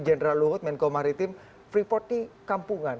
general luhut menko maritim freeport ini kampungan